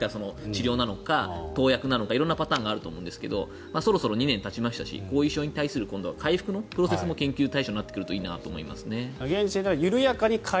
治療なのか、投薬なのか色々なパターンがあると思うんですがそろそろ２年たちましたし後遺症に対する回復も研究対象になるといいですね。